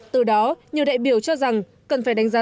từ đó nhiều đại biểu cho rằng cần phải đánh giá